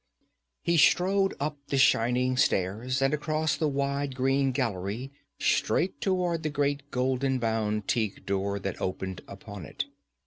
He strode up the shining stairs and across the wide green gallery straight toward the great golden bound teak door that opened upon it.